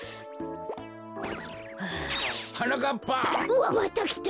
うわっまたきた！